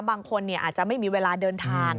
บางคนอาจจะไม่มีเวลาเดินทาง